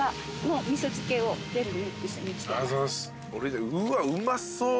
うわっうまそう！